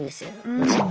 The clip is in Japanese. もちろん。